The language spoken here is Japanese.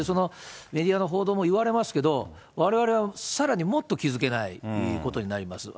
メディアの報道もいわれますけど、われわれはさらにもっと気付けないことになります。